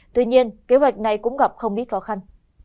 tuy nhiên kế hoạch này cũng gặp không ít khó khăn